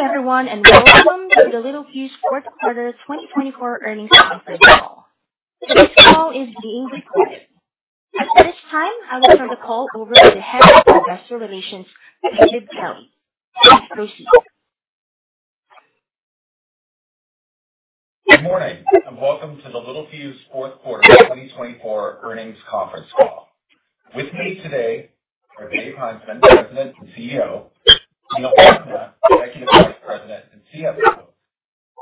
Good day, everyone, and welcome to the Littelfuse Fourth Quarter 2024 earnings conference call. This call is being recorded. At this time, I will turn the call over to the Vice President, Investor Relations, David Kelley. Please proceed. Good morning, and welcome to the Littelfuse Fourth Quarter 2024 earnings conference call. With me today are David Heinzmann, President and CEO; Meenal Sethna, Executive Vice President and CFO;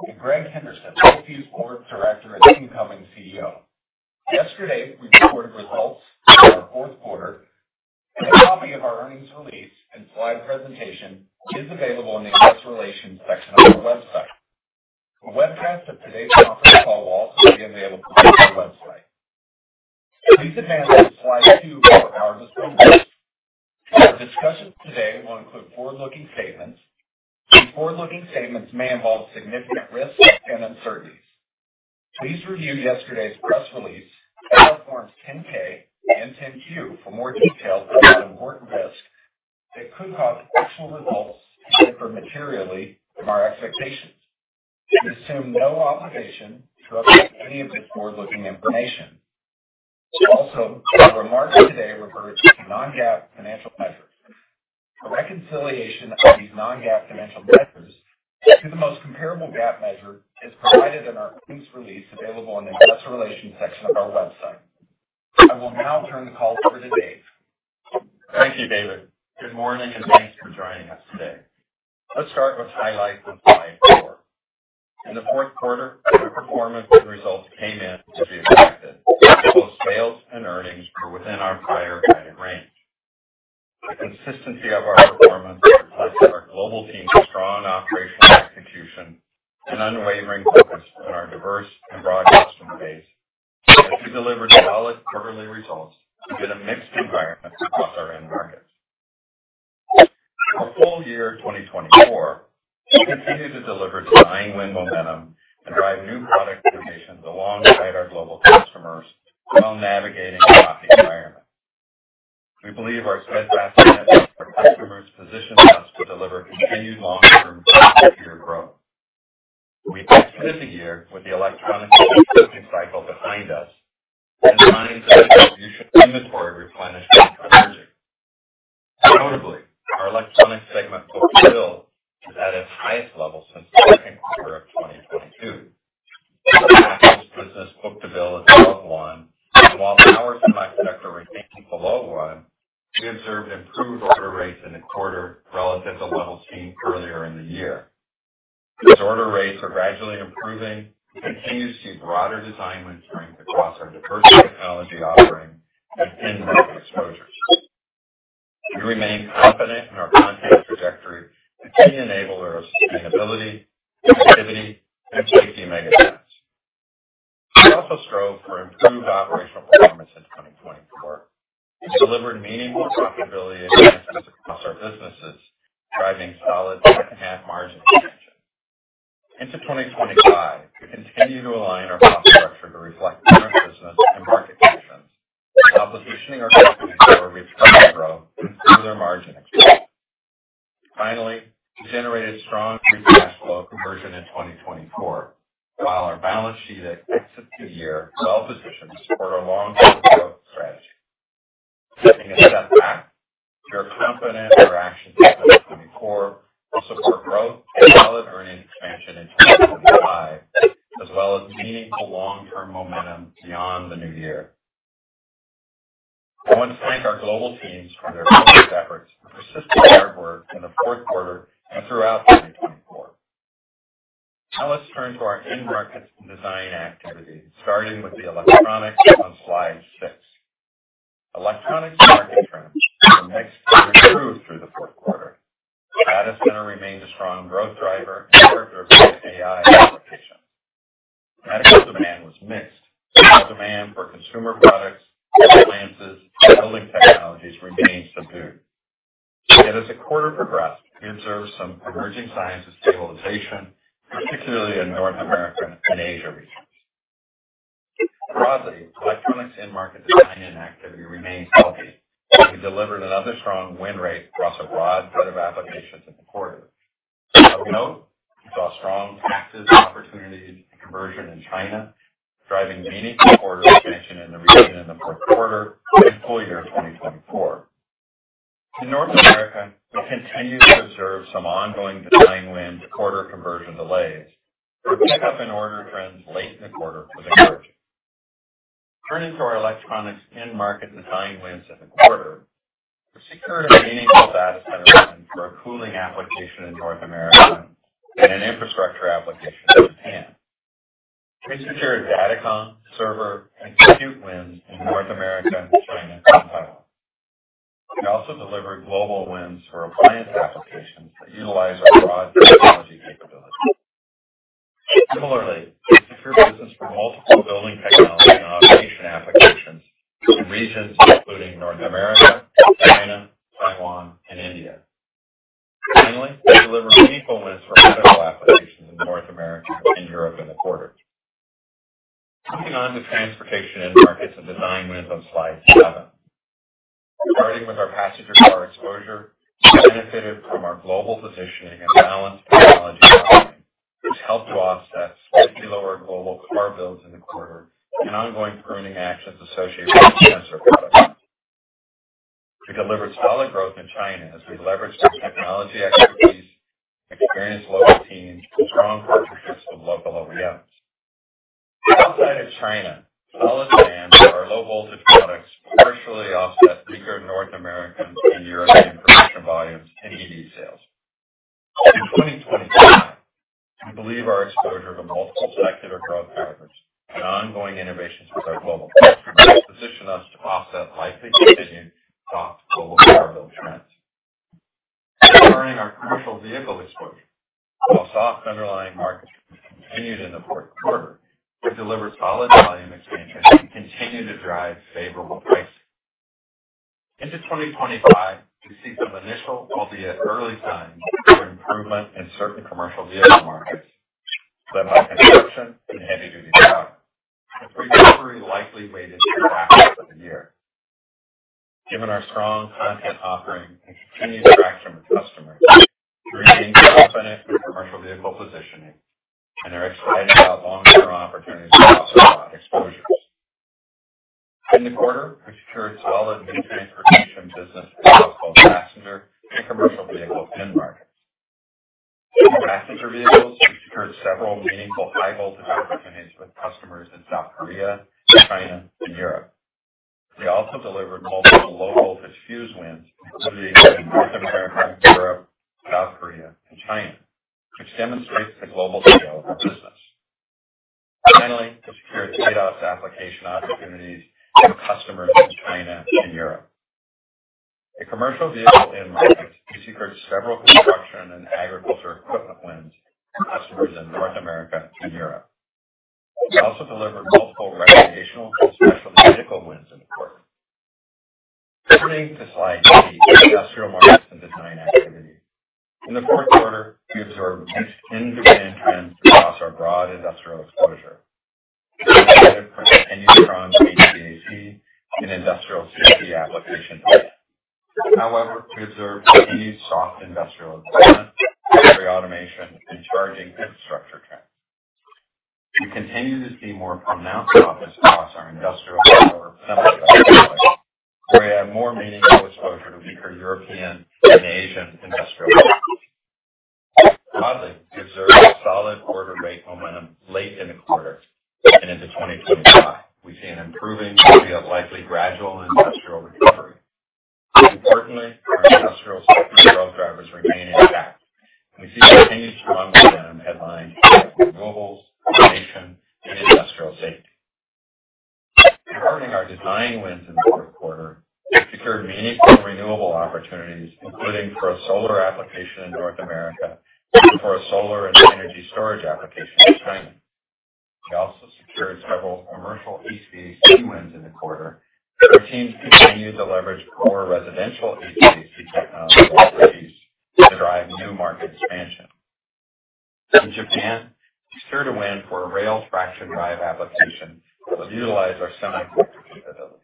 and Greg Henderson, Littelfuse Board Director and incoming CEO. Yesterday, we reported results for our fourth quarter, and a copy of our earnings release and slide presentation is available in the Investor Relations section of our website. A webcast of today's conference call will also be available on our website. Please advance to slide 2 for our discussion. Our discussion today will include forward-looking statements, and forward-looking statements may involve significant risks and uncertainties. Please review yesterday's press release and our Forms 10-K and 10-Q for more details about important risks that could cause actual results to differ materially from our expectations. We assume no obligation to update any of this forward-looking information. Also, our remarks today refer to non-GAAP financial measures. A reconciliation of these non-GAAP financial measures to the most comparable GAAP measure is provided in our earnings release available in the Investor Relations section of our website. I will now turn the call over to Dave. Thank you, David. Good morning, and thanks for joining us today. Let's start with highlights on slide 4. In the fourth quarter, our performance and results came in as to be expected. Both sales and earnings were within our prior guided range. The consistency of our performance reflects our global team's strong operational execution and unwavering focus on our diverse and broad customer base, as we delivered solid quarterly results within a mixed environment across our end markets. For full year 2024, we continue to deliver design-win momentum and drive new product innovations alongside our global customers while navigating a choppy environment. We believe our steadfast commitment to our customers positions us to deliver continued long-term and secure growth. We exited the year with the electronics shipping cycle behind us and signs of distribution inventory replenishment emerging. Notably, our electronics segment book-to-bill is at its highest level since the second quarter of 2022. Our magnet business book-to-bill is above 1, and while our semiconductor remains below 1, we observed improved order rates in the quarter relative to levels seen earlier in the year. These order rates are gradually improving and continue to see broader design wins across our diverse technology offering and end market exposures. We remain confident in our content trajectory as a key enabler of sustainability, In North America, we continue to observe some ongoing design wins and quarter conversion delays, but pickup in order trends late in the quarter was encouraging. Turning to our electronics end market design wins in the quarter, we secured a meaningful data center win for a cooling application in North America and an infrastructure application in Japan. We secured data center, server, and compute wins in North America, China, and Taiwan. We also delivered global wins for appliance applications that utilize our broad technology capabilities. Similarly, we secured business for multiple building technology and automation applications in regions including North America, China, Taiwan, and India. Finally, we delivered key wins for medical applications in North America and Europe in the quarter. Moving on to transportation end markets and design wins on slide 7. Starting with our passenger car exposure, we benefited from our global positioning and balanced technology offering, which helped to offset slightly lower global car build in the quarter and ongoing pruning actions associated with sensor products. We delivered solid growth in China as we leveraged our technology expertise, with a negative but for continued strong HVAC and industrial CP application demand. However, we observed continued soft industrial equipment, battery automation, and charging infrastructure trends. We continue to see more pronounced softness across our industrial power assembly offerings, where we have more meaningful exposure to weaker European and Asian industrial products. Broadly, we observed solid order rate momentum late in the quarter, and into 2025, we see an improving period of likely gradual industrial recovery. Importantly, our industrial sector growth drivers remain intact, and we see continued strong design wins for renewables, automation, and industrial safety. Concerning our design wins in the fourth quarter, we secured meaningful renewable opportunities, including for a solar application in North America and for a solar and energy storage application in China. We also secured several commercial HVAC wins in the quarter, and our teams continue to leverage core residential HVAC technology expertise to drive new market expansion. In Japan, we secured a win for a rail traction drive application that will utilize our semiconductor capabilities.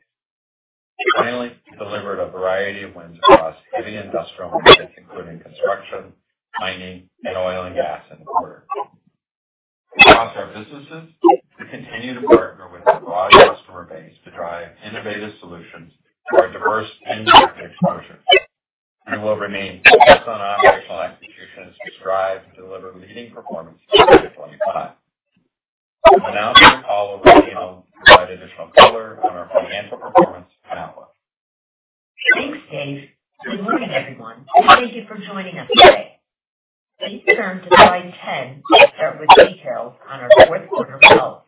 Finally, we delivered a variety of wins across heavy industrial markets, including construction, mining, and oil and gas in the quarter. Across our businesses, we continue to partner with our broad customer base to drive innovative solutions for a diverse end market exposure. We will remain focused on operational execution as we strive to deliver leading performance in 2025. I'll now turn it over to Meenal, who will provide additional color on our financial performance and outlook. Thanks, Dave. Good morning, everyone, and thank you for joining us today. Please turn to slide 10 to start with details on our fourth quarter results.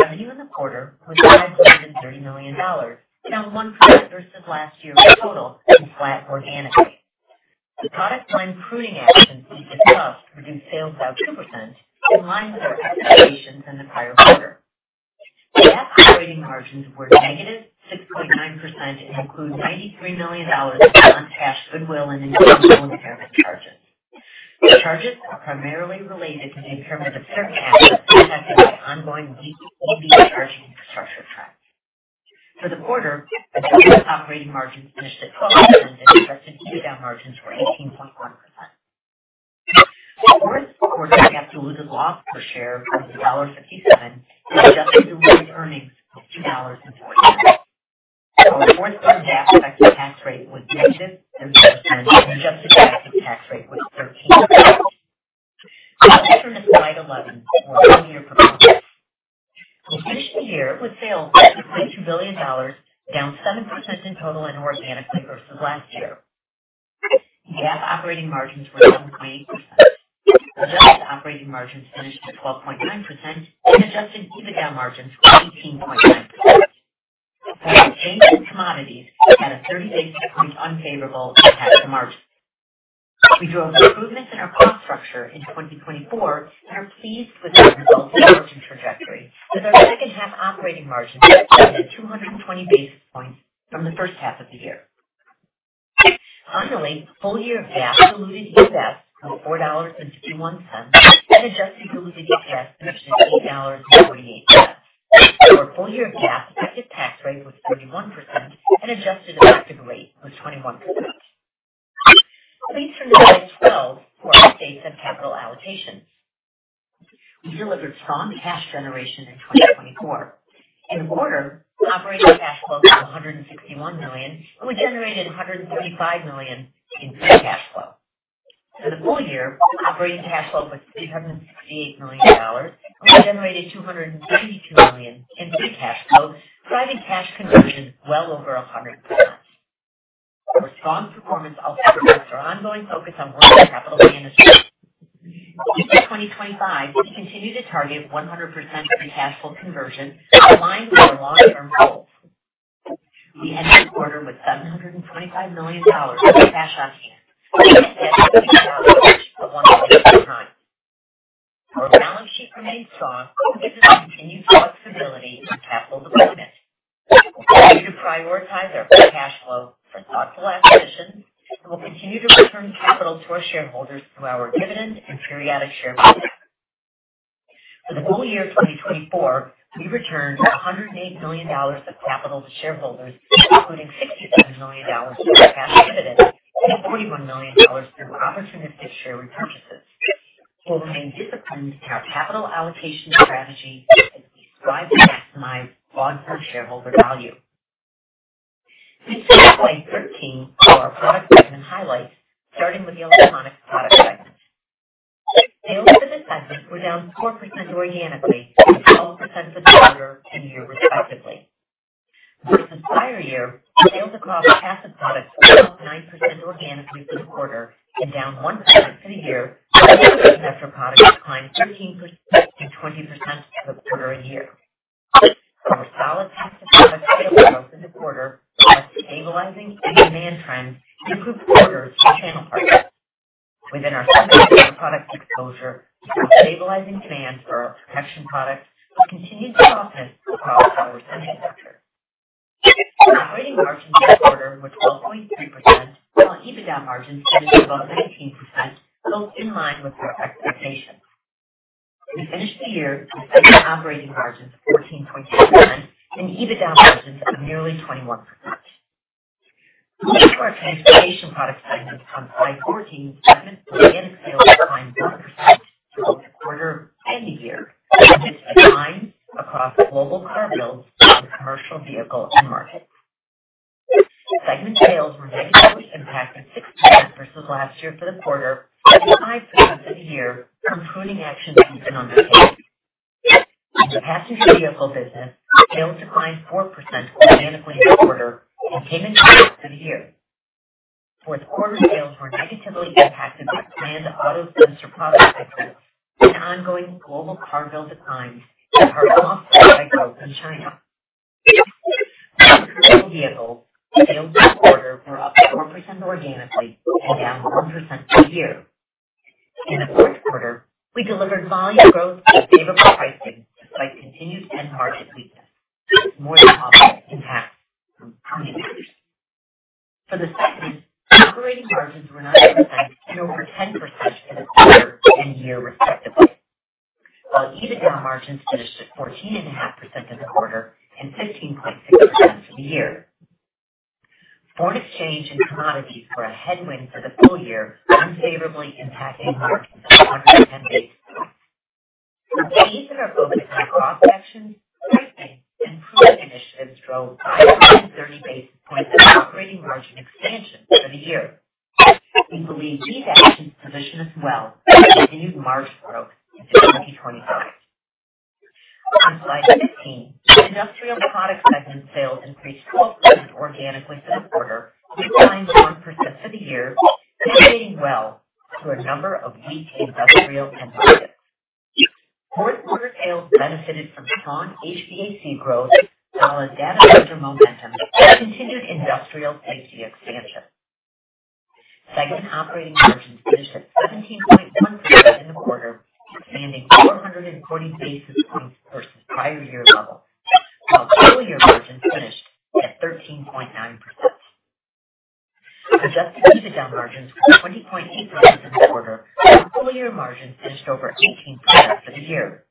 Revenue in the quarter was $530 million, down one% versus last year's total, and flat organically. The product line pruning actions we discussed reduced sales by two%, in line with our expectations in the prior quarter. GAAP operating margins were negative 6.9% and include $93 million in non-cash goodwill and intangible impairment charges. The charges are primarily related to the impairment of certain assets affected by ongoing weak EV charging infrastructure trends. For the quarter, adjusted operating margins finished at 12%, and adjusted diluted margins were 18.1%. The fourth quarter GAAP diluted loss per share was $1.57, and adjusted diluted earnings was $2.40. Our fourth quarter GAAP effective tax rate was negative 30%, and adjusted effective tax rate was 13%. Now we turn to slide 11 for full year performance. We finished the year with sales of $6.2 billion, down 7% in total and organically versus last year. GAAP operating margins were 7.8%. Adjusted operating margins finished at 12.9%, and adjusted EBITDA margins were 18.9%. For our FX and commodities, we had a 30 basis point unfavorable impact on margins. We drove improvements in our cost structure in 2024 and are pleased with our resulting margin trajectory, with our second-half operating margins exceeding 220 basis points from the first half of the year. Finally, full year GAAP diluted EPS was $4.51, and adjusted diluted EPS finished at $8.48. Our full year GAAP effective tax rate was 31%, and adjusted effective rate was 21%. Please turn to slide 12 for updates on capital allocations. We delivered strong cash generation in 2024. In the quarter, operating cash flow was $161 million, and we generated $135 million in free cash flow. For the full year, operating cash flow was $368 million, and we generated $232 million in free cash flow, driving cash conversion well over 100%. Our strong performance also reflects our ongoing focus on working capital management. Into 2025, we continue to target 100% free cash flow conversion, aligned with our long-term goals. We ended the quarter with $725 million in cash on hand, a net debt of $641 million at the time. Our balance sheet remained strong, and we have continued flexibility in capital deployment. We continue to prioritize our free cash flow for thoughtful acquisitions, and we'll continue to return capital to our shareholders through our dividend and periodic share buybacks. For the full year 2024, we returned $108 million of capital to shareholders, including $67 million through cash dividends and $41 million through opportunistic share repurchases. We'll remain disciplined in our capital allocation strategy as we strive to maximize long-term shareholder value. Please turn to slide 13 for our product segment highlights, starting with the electronics product segment. Sales for this segment were down 4% organically and 12% for the quarter and year respectively. Versus prior year, sales across passive products were up 9% organically for the quarter and down 1% for the year, and semiconductors declined 13% and 20% for the quarter and year. Our solid passive product sales growth in the quarter reflects stabilizing demand trends in our orders and channel partners. Within our this quarter product exposure, we saw stabilizing demand for our protection products, which continued to soften across our semiconductors. Operating margins this quarter were 12.3%, while EBITDA margins finished above 19%, both in line with our expectations. We finished the year with segment operating margins of 14.2% and EBITDA margins of nearly 21%. Moving to our transportation product segment on slide 14, segment organic sales declined 1% throughout the quarter and the year, which is a decline across global car build and commercial vehicle end markets. Segment sales remained low, impacting 6% versus last year for the quarter and 5% for the year, from pruning actions we've been undertaking. In the passenger vehicle business, sales declined 4% organically in the quarter and came in short for the year. Fourth quarter sales were negatively impacted by planned auto sensor product pruning and ongoing global car build declines and our softness of the cycle in China. For commercial vehicles, sales this quarter were up 4% organically and down 1% for the year. In the fourth quarter, we delivered volume growth and favorable pricing despite continued end market weakness, which was more than offset by the impact from pruning actions. For the segment, operating margins were 9% and over 10% for the quarter and year respectively, while EBITDA margins finished at 14.5% for the quarter and 15.6% for the year. Foreign exchange and commodities were a headwind for the full year, unfavorably impacting margins by 110 basis points. We've maintained our focus on cost reductions, pricing, and pruning initiatives drove 530 basis points of operating margin expansion for the year. We believe these actions position us well for continued margin growth into 2025. On slide 15, industrial product segment sales increased 12% organically for the quarter, declined 1% for the year, mitigating well to a number of weak industrial end markets. Fourth quarter sales benefited from strong HVAC growth, solid data center momentum, and continued industrial safety expansion. Segment operating margins finished at 17.1% in the quarter, expanding 440 basis points versus prior year level, while full year margins finished at 13.9%. Adjusted EBITDA margins were 20.8% in the quarter, while full year margins finished over 18% for the year.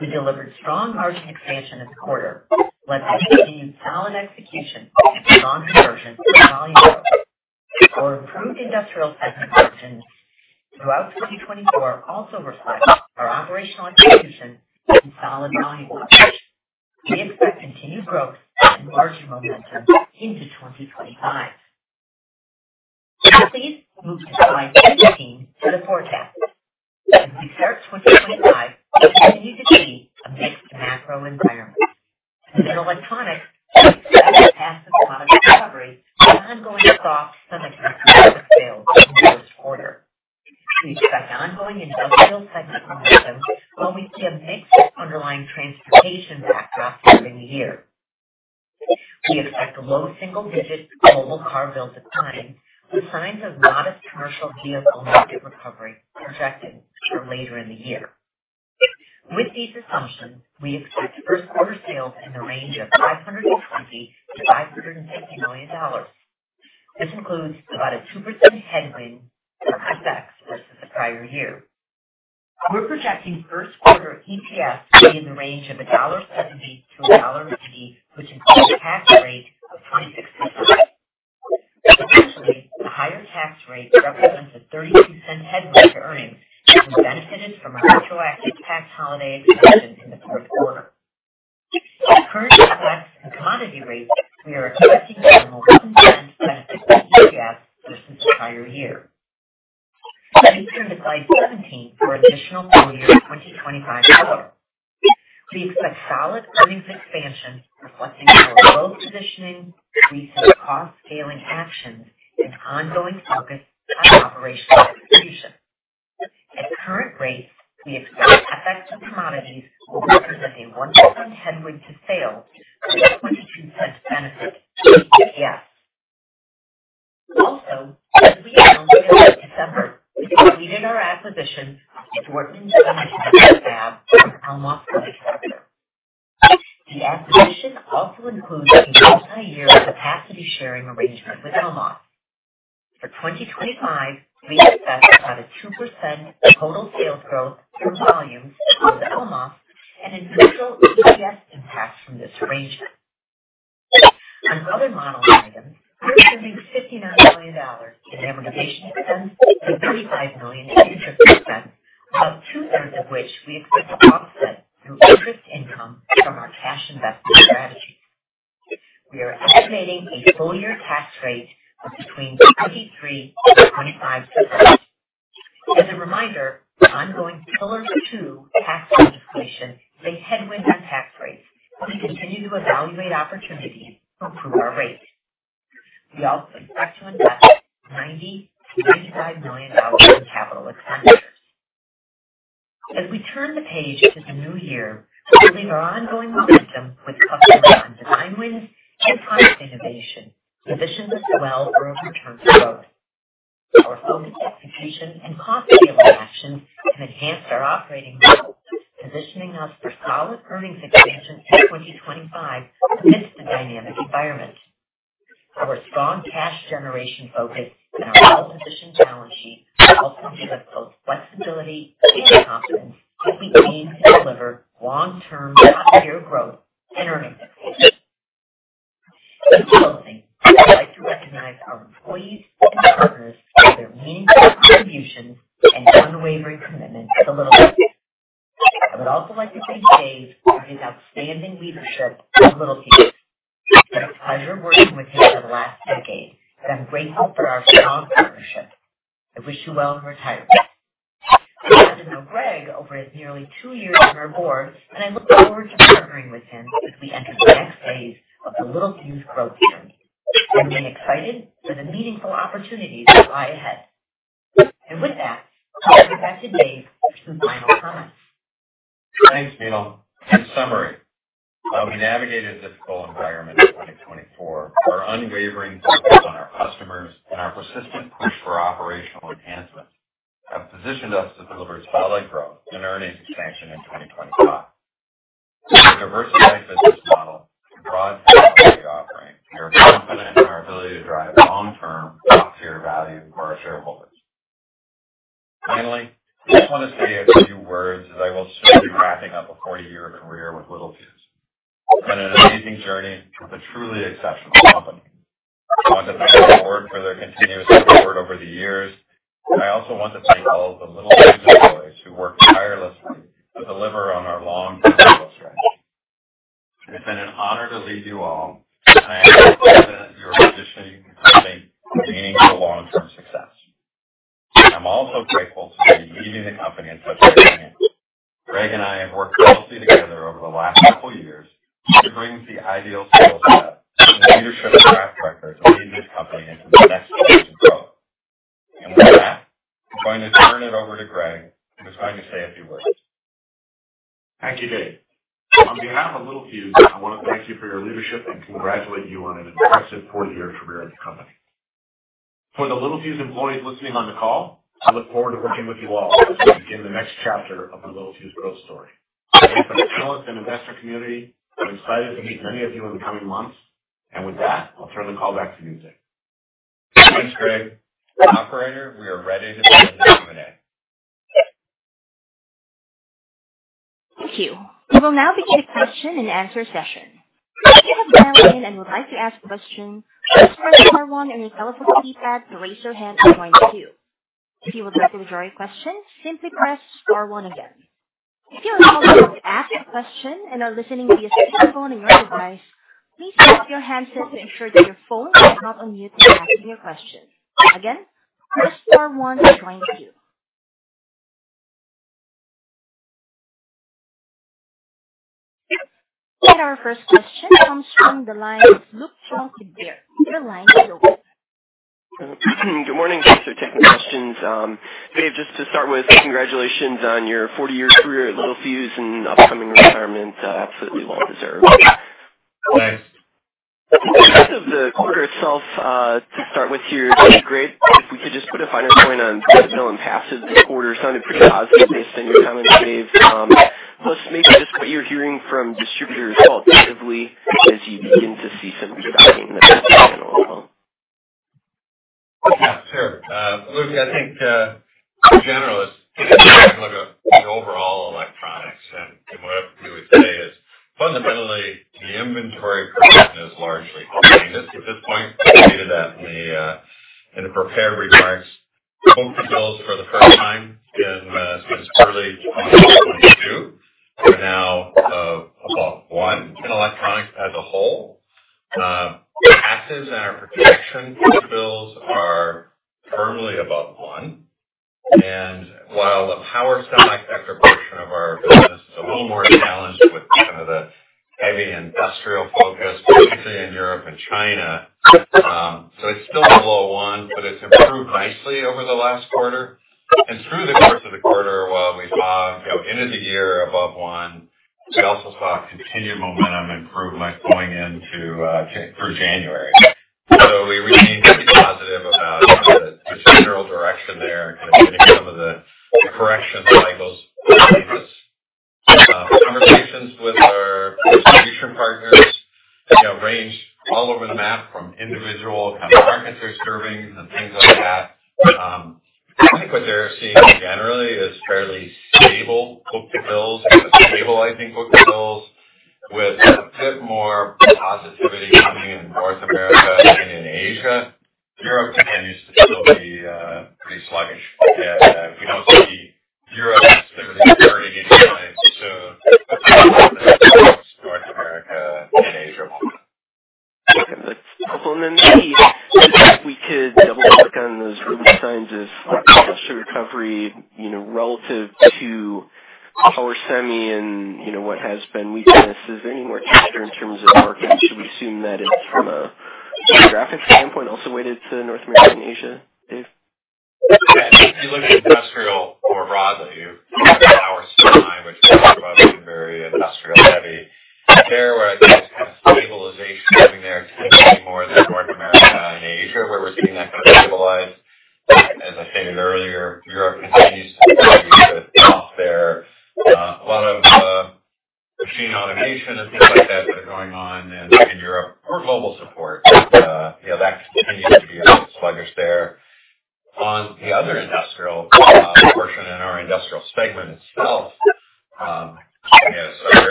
We delivered strong margin expansion in the quarter, led by continued solid execution and strong contribution and volume growth. Our improved industrial segment margins throughout 2024 also reflect our operational execution and solid volume growth. We expect continued growth and margin momentum into 2025. Please move to slide 16 for the forecast. As we press Star 1 on your cell phone keypad to raise your hand and join the queue. If you would like to withdraw your question, simply press Star 1 again. If you are calling to ask a question and are listening via speakerphone on your device, please raise your hand so that you ensure that your phone is not on mute when asking your question. Again, press Star 1 to join the queue. And our first question comes from the line of Luke Junk with Baird. Good morning. Thanks for taking the questions. Dave, just to start with, congratulations on your 40-year career at Littelfuse and upcoming retirement. Absolutely well deserved. Thanks. In terms of the quarter itself, to start with here, Dave, Greg, if we could just put a finer point on Meenal and passive, the quarter sounded pretty positive based on your comments, Dave. Plus, maybe just what you're hearing from distributors qualitatively as you begin to see some of the stocking in the passenger vehicle as well. Yeah, sure. Luke, I think in general, it's taking a look at the overall electronics, and what we would say is fundamentally the inventory growth has largely continued at this point. I stated that in the prepared remarks. Book-to-bill for the first time since early 2022 are now above one in electronics as a whole. Passive and our protection book-to-bill are firmly above one. While the power semiconductor portion of our business is a little more challenged with some of the heavy industrial focus, particularly in Europe and China, so it's still below one, but it's improved nicely over the last quarter. Through the course of the quarter, while we saw end of the year above one, we also saw continued momentum improvement going into through January. We remain pretty positive about the general direction there and kind of getting some of the correction cycles behind us. Conversations with our distribution partners range all over the map from individual kind of markets they're serving and things like that. I think what they're seeing generally is fairly stable book-to-bill, stabilizing book-to-bill, with a bit more positivity coming in North America and in Asia. Europe continues to still be pretty sluggish. We don't see Europe necessarily turning into a so. But there's some ups and downs in North America and Asia alone. That's helpful. And then, Dave, if we could double-click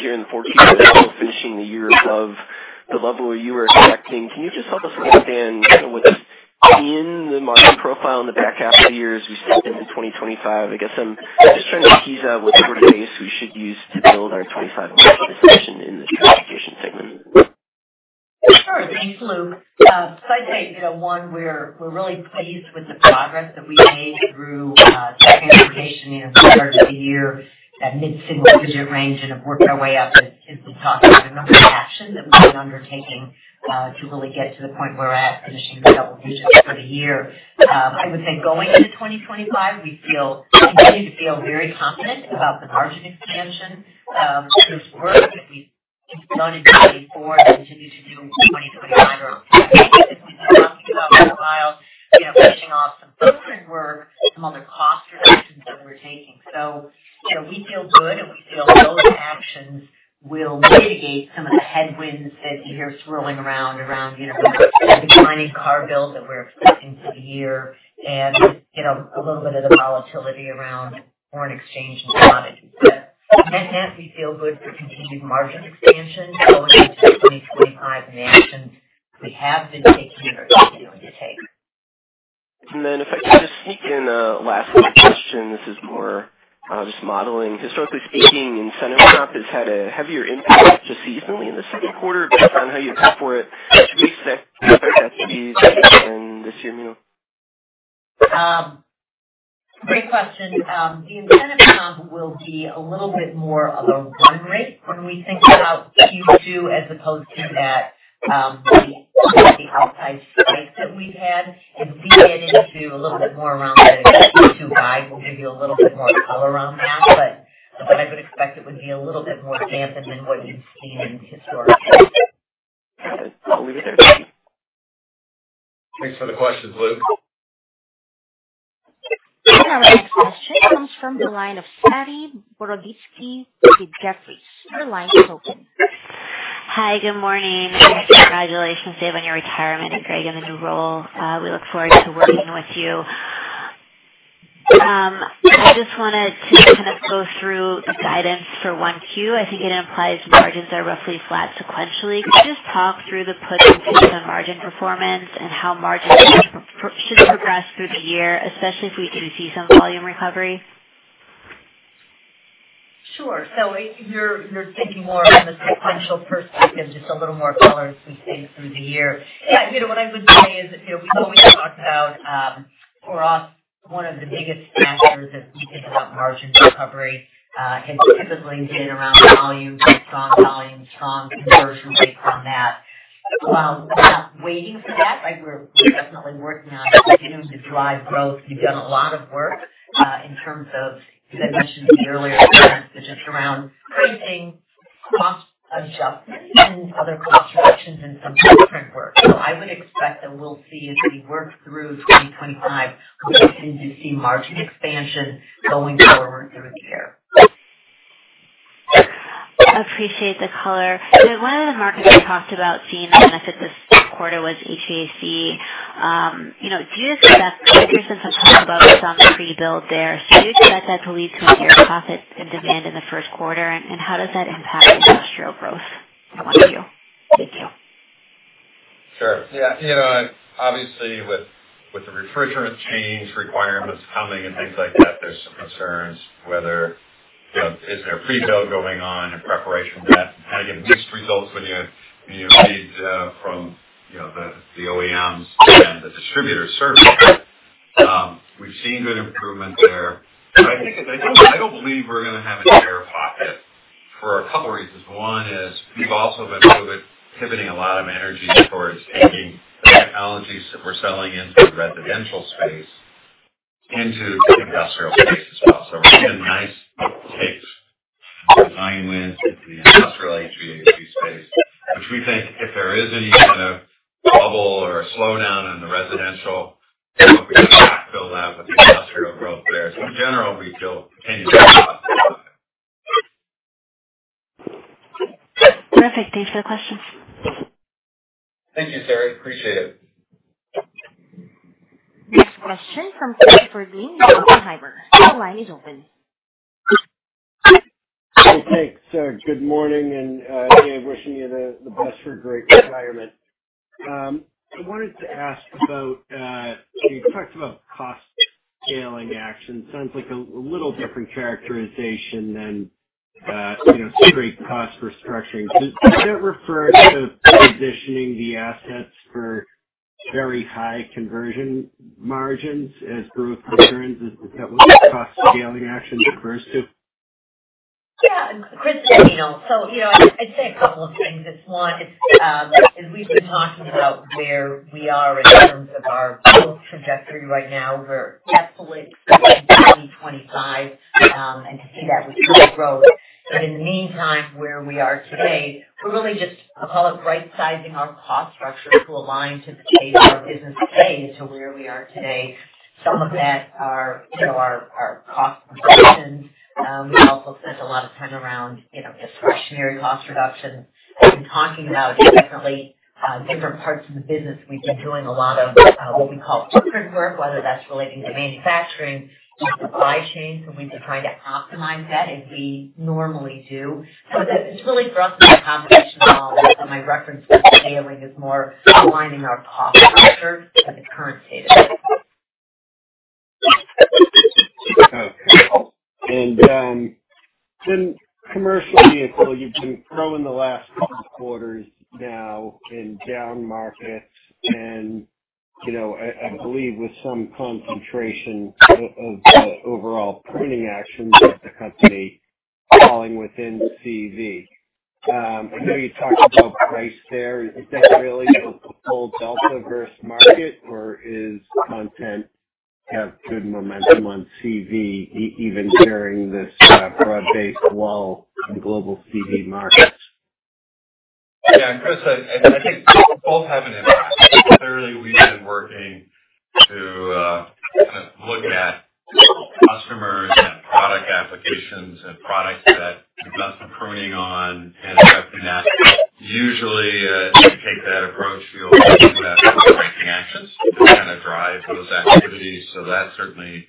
here in the fourth quarter, still finishing the year above the level you were expecting. Can you just help us understand kind of what's in the market profile in the back half of the year as we step into 2025? I guess I'm just trying to tease out what sort of base we should use to build our '25 model year position in the transportation segment. Sure. Thanks, Luke. So I'd say, one, we're really pleased with the progress that we've made through transportation here at the start of the year at mid-single-digit range and have worked our way up. And we've been talking about a number of actions that we've been undertaking to really get to the point where we're at finishing the double digits for the year. I would say going into 2025, we continue to feel very confident about the margin expansion of this work that we've done in 2024 and continue to do in 2025 around that basis. We've been talking about for a while finishing off some filtering work, some other cost reductions that we're taking, so we feel good, and we feel those actions will mitigate some of the headwinds that you hear swirling around the declining car build that we're expecting through the year and a little bit of the volatility around foreign exchange and commodities, but in that sense, we feel good for continued margin expansion going into 2025 and the actions we have been taking and are continuing to take, and then if I could just sneak in a last quick question. This is more just modeling. Historically speaking, incentive comp has had a heavier impact just seasonally in the second quarter based on how you paid for it. Should we expect that to be the case again this year, Meenal? Great question. The incentive comp will be a little bit more of a run rate when we think about Q2 as opposed to that outsize spike that we've had. And we get into a little bit more around the Q2 guide. We'll give you a little bit more color on that. But I would expect it would be a little bit more dampened than what we've seen historically. Okay. I'll leave it there. Thanks for the questions, Luke. All right. Question comes from the lineYour line is open. Hi. Good morning. Congratulations, Dave, on your retirement and Greg in the new role. We look forward to working with you. I just wanted to kind of go through the guidance for Q1. I think it implies margins are roughly flat sequentially. Could you just talk through the puts and takes on margin performance and how margins should progress through the year, especially if we do see some volume recovery? Sure. So you're thinking more from the sequential perspective, just a little more color as we think through the year. Yeah. What I would say is that we've always talked about, for us, one of the biggest factors as we think about margin recovery has typically been around volume, strong volume, strong conversion rates on that. While we're not waiting for that, we're definitely working on continuing to drive growth. We've done a lot of work in terms of, as I mentioned earlier, just around pricing cost adjustments and other cost reductions and some different work. So I would expect that we'll see as we work through 2025, we'll continue to see margin expansion going forward through the year. Appreciate the color. One of the markets we talked about seeing the benefit this quarter was HVAC. Do you expect because you're since I've talked about some pre-build there, do you expect that to lead to a bigger profit and demand in the first quarter? And how does that impact industrial growth? I want to. Thank you. Sure. Yeah. Obviously, with the refrigerant change requirements coming and things like that, there's some concerns whether is there pre-build going on in preparation to kind of get mixed results when you read from the OEMs and the distributor survey. We've seen good improvement there. But I don't believe we're going to have a share pocket for a couple of reasons. One is we've also been pivoting a lot of energy towards taking the technologies that we're selling into the residential space into the industrial space as well. So we're getting nice Teccor or heat tape design wins into the industrial HVAC space, which we think if there is any kind of bubble or a slowdown in the residential, we can backfill that with the industrial growth there. So in general, we feel continued profitability. Perfect. Thanks for the question. Thank you, Tore. Appreciate it. Next question from Christopher Glynn with Oppenheimer. The line is open. Hey, Dave. Good morning and Dave. Wishing you the best for a great retirement. I wanted to ask about you talked about cost scaling action. Sounds like a little different characterization than straight cost restructuring. Does that refer to positioning the assets for very high conversion margins as growth returns? Is that what the cost scaling action refers to? Yeah. Chris, Meenal. So I'd say a couple of things. It's one, as we've been talking about, where we are in terms of our growth trajectory right now. We're definitely expecting 2025 and to see that with growth. But in the meantime, where we are today, we're really just. I'll call it right-sizing our cost structure to align to the pace of our business pace to where we are today. Some of that are our cost reductions. We've also spent a lot of time around discretionary cost reductions. We've been talking about definitely different parts of the business. We've been doing a lot of what we call footprint work, whether that's relating to manufacturing and supply chain. So we've been trying to optimize that as we normally do. So it's really for us to be a combination of all. So my reference for scaling is more aligning our cost structure to the current state of things. Okay. Then commercially, I feel you've been growing the last couple of quarters now in down markets and I believe with some concentration of overall pricing actions at the company falling within CV. I know you talked about price there. Is that really the full delta versus market, or does content have good momentum on CV even during this broad-based lull in global CV markets? Yeah. Chris, I think both have an impact. Clearly, we've been working to kind of look at customers and product applications and products that we've done some pruning on and that usually if you take that approach, you'll see that pricing actions kind of drive those activities. So that's certainly positive.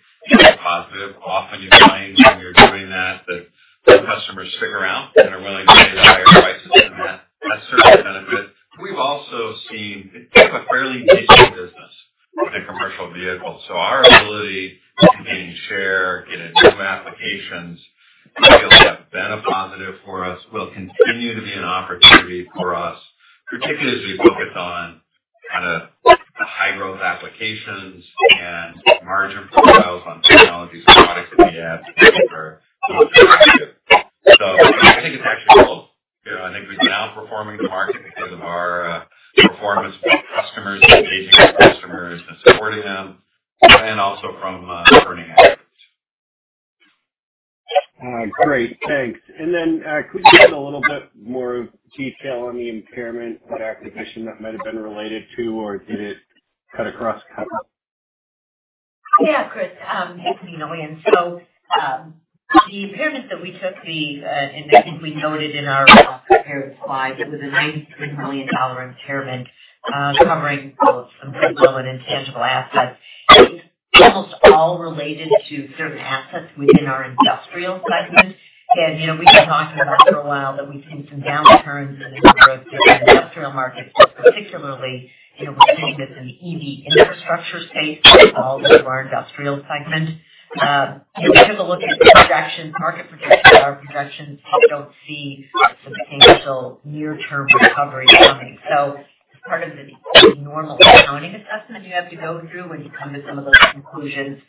We took a look at projections, market projections, our projections. We don't see substantial near-term recovery coming, so it's part of the normal accounting assessment you have to go through when you come to some of those conclusions.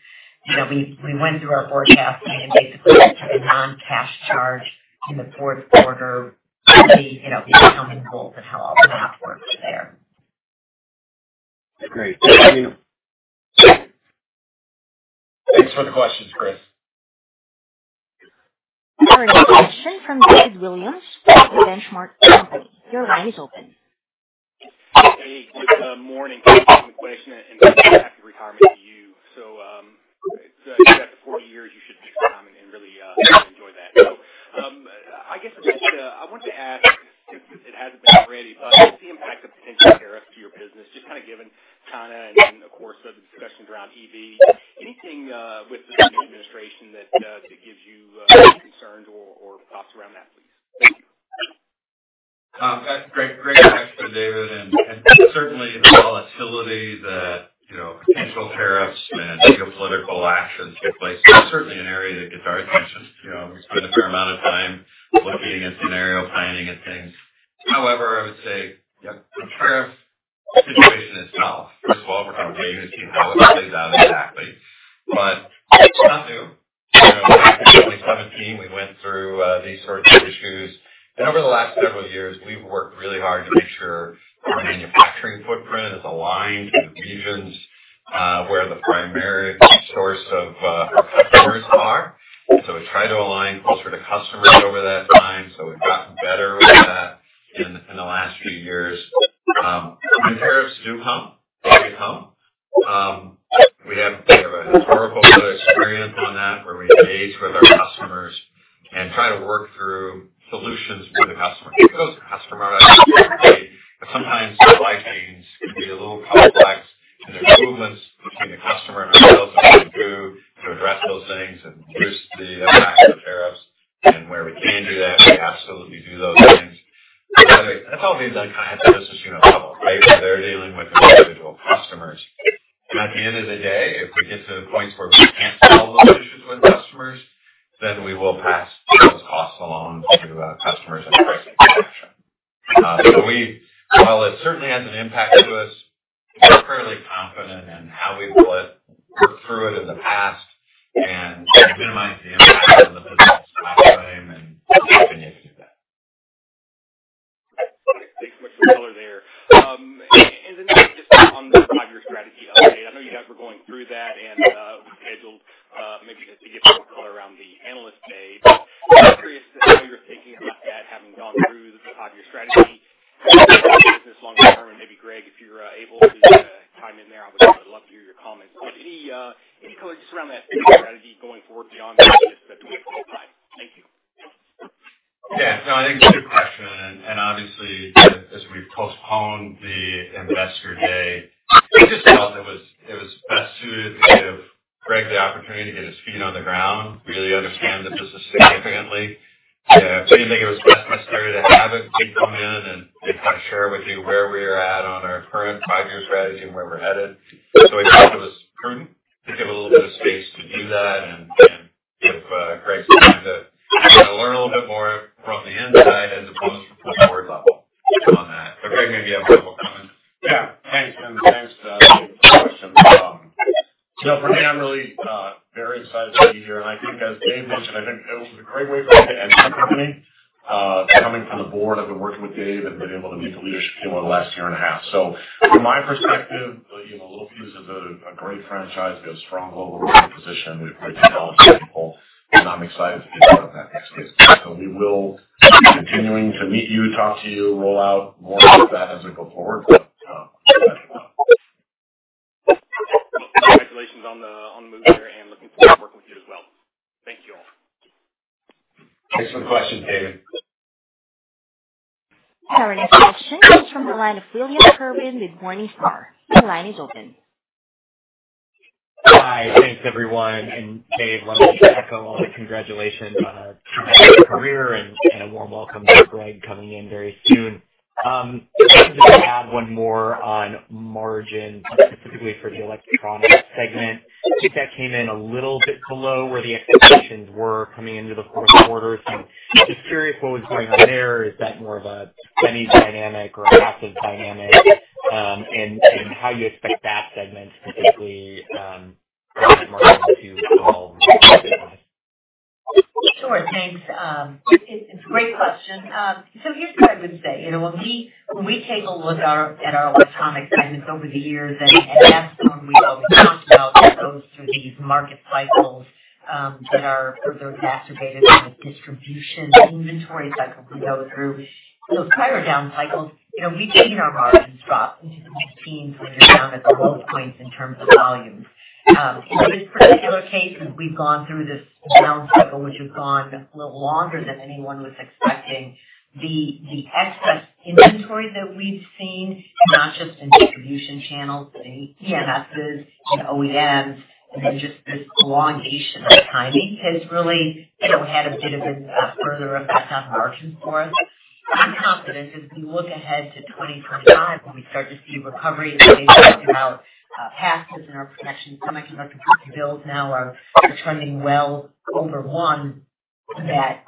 We went through our forecasting and basically took a non-cash charge in the fourth quarter to assess the goodwill and how all the math works there. Great. Thanks, Meenal. Thanks for the questions, Chris. All right. Question from David Williams from The Benchmark Company. Your line is open. Hey, good morning. Thanks for the question. And congrats on your retirement to you. So you've got the 40 years. You should take the time and really enjoy that. So I guess I want to ask, if it hasn't been already, but what's the impact of potential tariffs to your business? Just kind of given Canada and, of course, the discussions around EV. Anything with the new administration that gives you concerns or thoughts around that, please? Great. Great question, David. And certainly, the volatility, the potential tariffs and geopolitical actions take place. That's certainly an area that gets our attention. We spend a fair amount of time looking at scenario planning and things. However, I would say the tariff situation itself, first of all, we're kind of waiting to see how it plays out exactly. But it's not new. Back in 2017, we went through these sorts of issues. And over the last several years, we've worked really hard to make sure our manufacturing footprint is aligned to the regions where the primary source of our customers are. So we try to align closer to customers over that time. So we've gotten better with that to give a little bit of space to do that and give Greg some time to learn a little bit more from the inside as opposed to the board level on that. But Greg, maybe you have a couple of comments? Yeah. Thanks. And thanks for the question. So for me, I'm really very excited to be here. And I think, as Dave mentioned, I think it was a great way for me to enter the company coming from the board. I've been working with Dave and been able to meet the leadership team over the last year and a half. So from my perspective, Littelfuse is a great franchise. We have a strong global market position. We have great technology people. And I'm excited to get out of that next phase. So we will be continuing to meet you, talk to you, roll out more of that as we go forward. Congratulations on the move there and looking forward to working with you as well. Thank you all. Thanks for the questions, David. All right. Questions from the line of William Kerwin with Morningstar. The line is open. Hi. Thanks, everyone, and Dave, let me echo all the congratulations on a tremendous career and a warm welcome to Greg coming in very soon. Just wanted to add one more on margins, specifically for the electronics segment. I think that came in a little bit below where the expectations were coming into the fourth quarter. So just curious what was going on there. Is that more of a spending dynamic or a passive dynamic? And how do you expect that segment to particularly market to evolve? Sure. Thanks. It's a great question, so here's what I would say. When we take a look at our electronics segments over the years, and that's the one we've always talked about that goes through these market cycles that are further exacerbated by the distribution inventory cycle we go through. Those higher down cycles, we've seen our margins drop into the 15%-10% down at the low points in terms of volumes. In this particular case, as we've gone through this down cycle, which has gone a little longer than anyone was expecting, the excess inventory that we've seen, not just in distribution channels, but in EMSs and OEMs, and then just this elongation of timing has really had a bit of a further effect on margins for us. I'm confident as we look ahead to 2025, when we start to see recovery in the way we talked about passives in our protection. Semiconductor book-to-bills now are trending well over one, that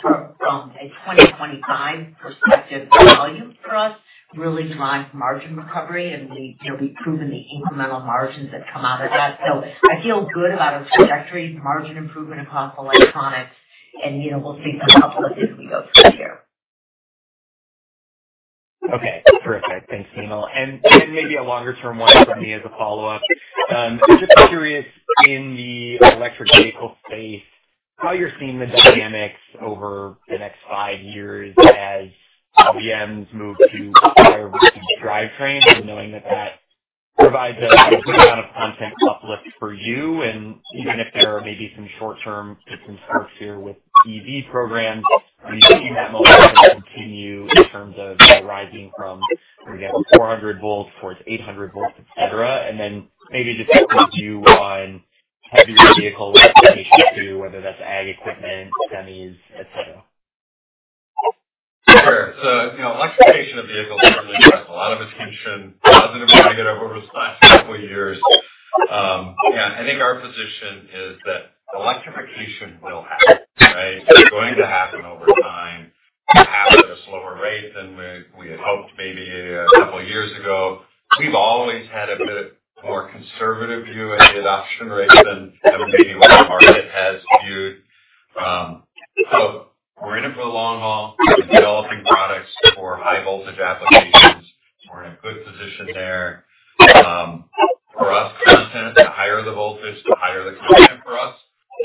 from a 2025 perspective, the volume for us really drives margin recovery and we've proven the incremental margins that come out of that. So I feel good about our trajectory, margin improvement across electronics, and we'll see a couple of things we go through here. Okay. Terrific. Thanks, Meenal. And maybe a longer-term one from me as a follow-up. Just curious, in the electric vehicle space, how you're seeing the dynamics over the next five years as OEMs move to higher-voltage drivetrains and knowing that that provides a good amount of content uplift for you. And even if there are maybe some short-term fits and starts here with EV programs, are you seeing that momentum continue in terms of rising from, again, 400 volts towards 800 volts, etc.? And then maybe just your view on heavier vehicle application too, whether that's ag equipment, semis, etc.? Sure. So electrification of vehicles is really a lot of it's come in positive negative over the last couple of years. Yeah. I think our position is that electrification will happen, right? It's going to happen over time. It will happen at a slower rate than we had hoped maybe a couple of years ago. We've always had a bit more conservative view at the adoption rate than maybe what the market has viewed. So we're in it for the long haul. We're developing products for high-voltage applications. We're in a good position there. For us, content at the higher the voltage, the higher the content for us.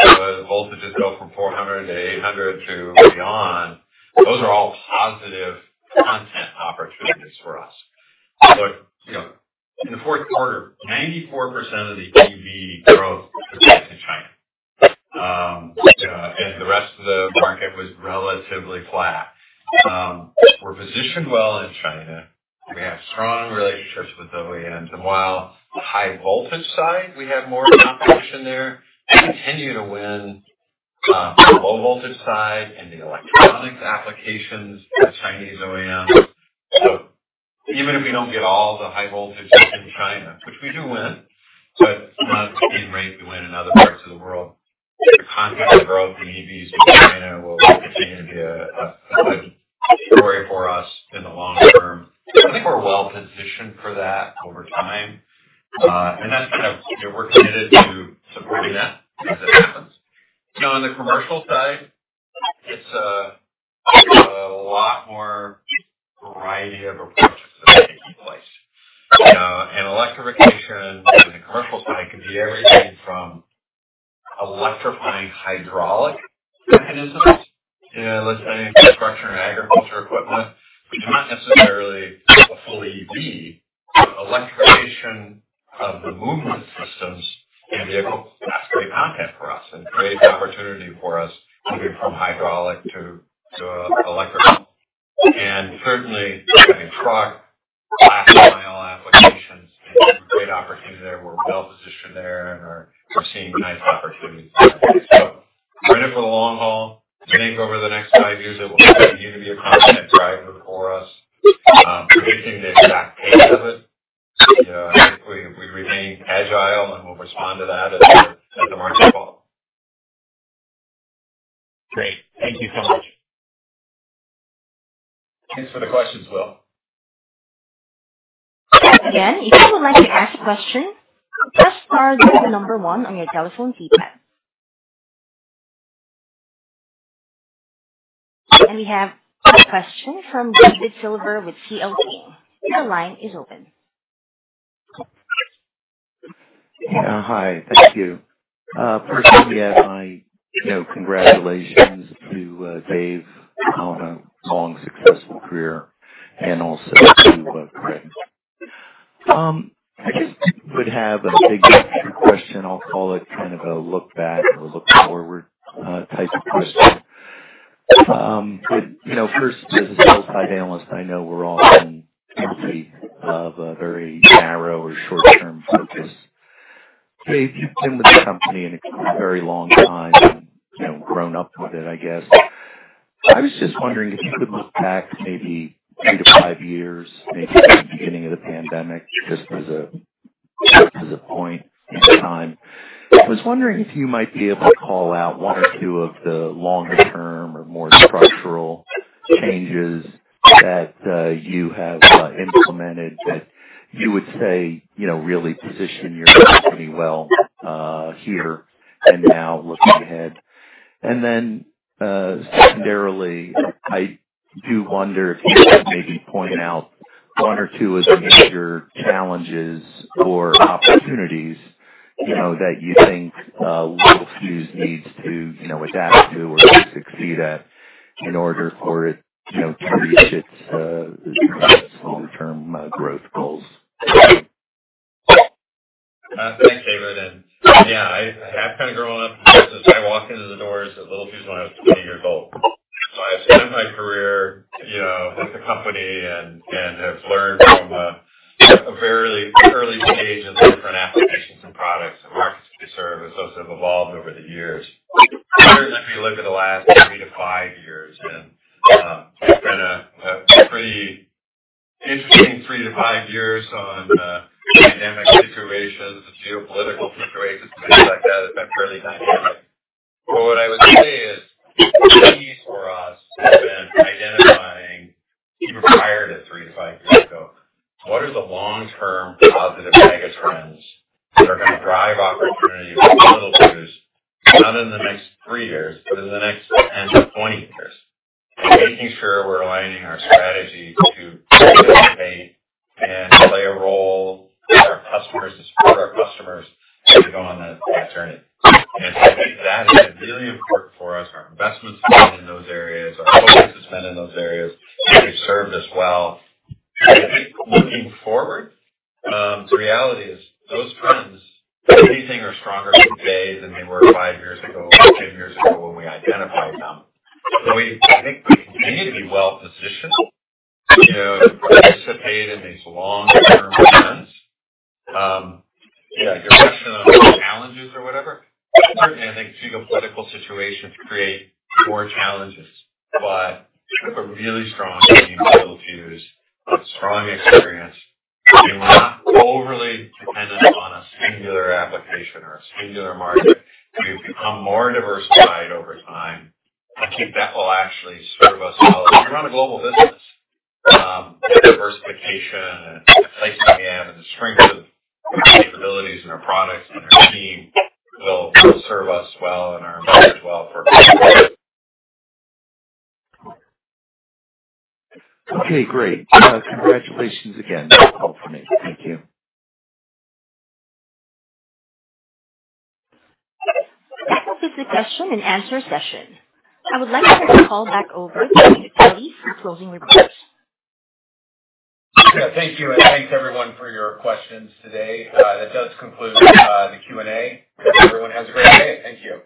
So as voltages go from 400 to 800 to beyond, those are all positive content opportunities for us. Look, in the fourth quarter, 94% of the EV growth for us. We're making the exact case of it. I think we remain agile and we'll respond to that as the markets fall. Great. Thank you so much. Thanks for the questions, Will. Again, if you would like to ask a question, just star the number one on your telephone keypad. We have a question from David Silver with CL King. The line is open. Hi. Thank you. First, yeah, my congratulations to David on a long, successful career and also to Greg. I just would have a big question. I'll call it kind of a look back or look forward type of question. First, as a sell-side analyst, I know we're often guilty of a very narrow or short-term focus. David, you've been with the company in a very long time and grown up with it, I guess. I was just wondering if you could look back maybe three to five years, maybe from the beginning of the pandemic, just as a point in time. I was wondering if you might be able to call out one or two of the longer-term or more structural changes that you have implemented that you would say really position your company well here and now looking ahead. And then secondarily, I do wonder if you could maybe point out one or two of the major challenges or opportunities that you think Littelfuse needs to adapt to or succeed at in order for it to reach its long-term growth goals. Thanks, David. And yeah, I have kind of grown up in the business. I walked into the doors at Littelfuse when I was 20 years old. So I've spent my career with the company and have learned from a very early stage of different applications and products and markets we serve as those have evolved over the years. Certainly, if you look at the last three to five years, and it's been a pretty interesting three to five years on pandemic situations, geopolitical situations, things like that. It's been fairly dynamic. But what I would say is the keys for us have been identifying even prior to three to five years ago, what are the long-term positive megatrends that are going to drive opportunity for Littelfuse, not in the next three years, but in the next 10 to 20 years? And making sure we're aligning our strategy to facilitate and play a role for our customers to support our customers as we go on that journey. And so I think that has been really important for us. Our investments have been in